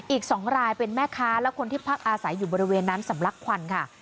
อีก๒รายเป็นแม่ค้าและคนที่พักอาศัยอยู่บริเวณนั้นสำลักควันค่ะ